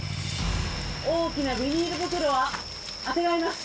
大きなビニール袋をあてがいます。